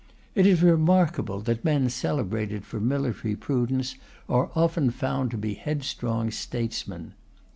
It is remarkable that men celebrated for military prudence are often found to be headstrong statesmen.